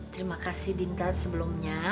terima kasih dinta sebelumnya